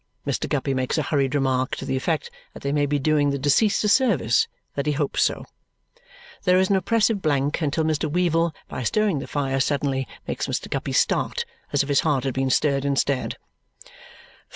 Mr. Guppy makes a hurried remark to the effect that they may be doing the deceased a service, that he hopes so. There is an oppressive blank until Mr. Weevle, by stirring the fire suddenly, makes Mr. Guppy start as if his heart had been stirred instead.